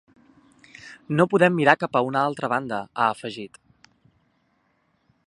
“No podem mirar cap a una altra banda”, ha afegit.